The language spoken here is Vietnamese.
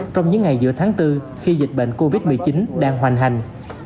trong những ngày giữa tháng bốn khi dịch bệnh covid một mươi chín đang hoành hành